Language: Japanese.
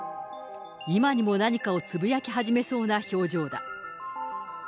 今にも何かをつぶやき始めそうな表情だ。